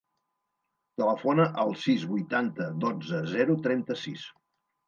Telefona al sis, vuitanta, dotze, zero, trenta-sis.